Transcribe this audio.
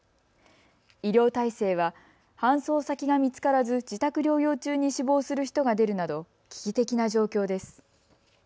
医療体制は搬送先が見つからず自宅療養中に死亡する人が出るなど危機的な状況です。